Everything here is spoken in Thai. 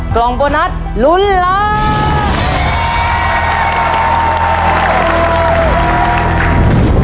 กล่องโบนัสลุ้นล้าน